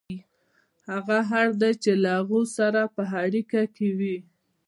هغه اړ دی چې له هغوی سره په اړیکه کې وي